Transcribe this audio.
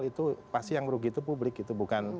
itu pasti yang merugikan publik gitu